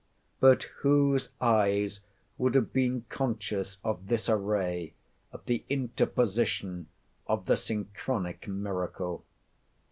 But whose eyes would have been conscious of this array at the interposition of the synchronic miracle?